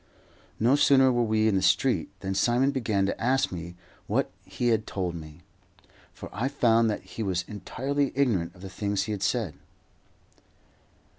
No sooner were we in the street than Simon began to ask me what he had told me, for I found that he was entirely ignorant of the things he had said.